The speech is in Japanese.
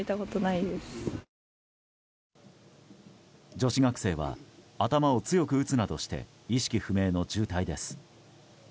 女子学生は頭を強く打つなどして意識不明の重体です。